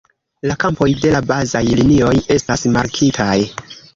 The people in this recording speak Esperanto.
La kampoj de la bazaj linioj estas markitaj.